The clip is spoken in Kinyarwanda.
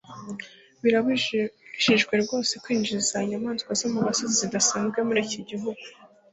birabujijwe rwose kwinjiza inyamaswa zo mu gasozi zidasanzwe muri iki gihugu